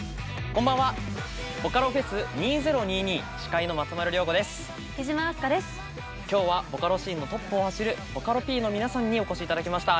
今日はボカロシーンのトップを走るボカロＰの皆さんにお越し頂きました。